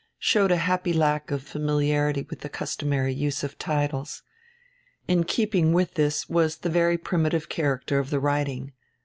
showed a happy lack of familiarity with die customary use of titles. In keeping with this was the very primitive character of the writing.